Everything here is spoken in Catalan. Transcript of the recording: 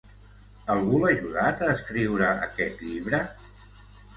Algú l'ha ajudat a escriure aquest llibre?